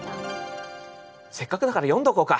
せっかくだから読んどこうか。